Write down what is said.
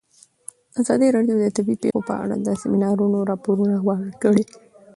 ازادي راډیو د طبیعي پېښې په اړه د سیمینارونو راپورونه ورکړي.